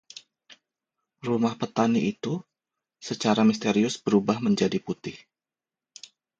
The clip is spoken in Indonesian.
Rumah petani itu secara misterius berubah menjadi putih.